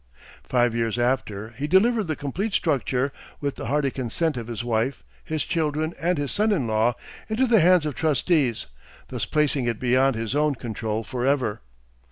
Five years after, he delivered the complete structure, with the hearty consent of his wife, his children, and his son in law, into the hands of trustees, thus placing it beyond his own control forever.